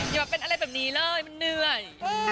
อย่าเป็นอะไรแบบนี้เลยมันเหนื่อย